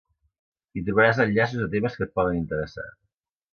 Hi trobaràs enllaços a temes que et poden interessar.